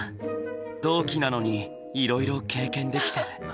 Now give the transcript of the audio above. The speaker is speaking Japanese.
同期なのにいろいろ経験できてる。